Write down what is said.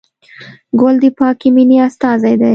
ګل د پاکې مینې استازی دی.